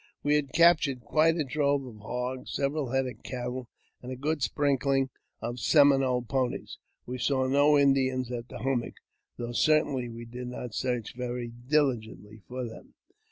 We had captured quite a drove of hogs, several head of cattle, and a good sprinkling of Seminole ponies. We saw no Indians at the hummock, though certainly we did not search veiy diligently for them.